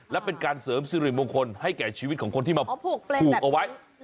และเป็นการเสริมสิริมงคลให้แก่ชีวิตของคนที่มาผูกเอาไว้